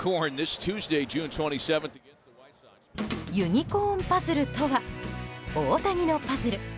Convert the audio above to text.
ユニコーンパズルとは大谷のパズル。